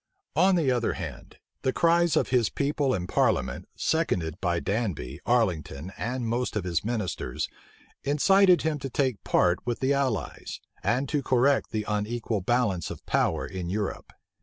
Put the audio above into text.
On the other hand, the cries of his people and parliament, seconded by Danby, Arlington, and most of his ministers, incited him to take part with the allies, and to correct the unequal balance of power in Europe.